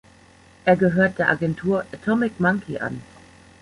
Er gehört der Agentur Atomic Monkey an.